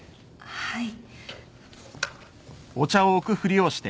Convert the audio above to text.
はい。